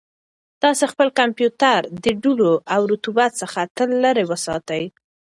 تاسو خپل کمپیوټر د دوړو او رطوبت څخه تل لرې وساتئ.